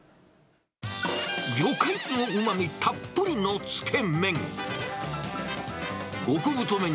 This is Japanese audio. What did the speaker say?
魚介のうまみたっぷりのつけ麺。